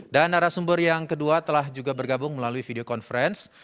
dan arah sumber yang kedua telah juga bergabung melalui video conference